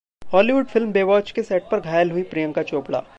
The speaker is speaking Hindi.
हॉलीवुड फिल्म 'बेवॉच' के सेट पर घायल हुईं प्रियंका चोपड़ा